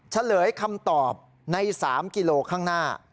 เฉลยคำตอบใน๓กิโลข้างหน้า